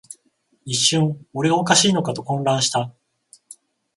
一瞬、俺がおかしいのかと混乱した